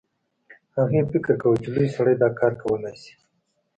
هغې فکر کاوه چې لوی سړی دا کار کولی شي